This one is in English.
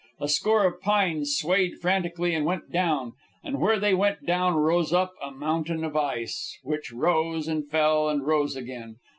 A score of pines swayed frantically and went down, and where they went down rose up a mountain of ice, which rose, and fell, and rose again.